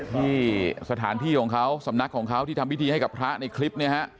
ที่สถานที่ของเขาสำนักของเขาที่ทำพิธีให้กับพระในคลิปเนี่ยฮะ